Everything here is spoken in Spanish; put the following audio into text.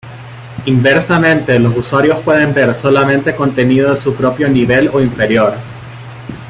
Inversamente, los usuarios pueden ver solamente contenido de su propio nivel o inferior.